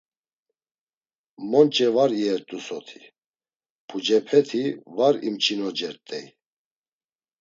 Monç̌e var iyert̆u soti, pucepeti var imçinocert̆ey.